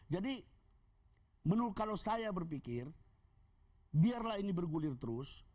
jadi kalau saya berpikir biarlah ini bergulir terus